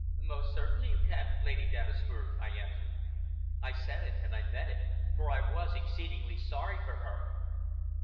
"Most certainly you can, Lady Dennisford," I answered. I said and I meant it, for I was exceedingly sorry for her.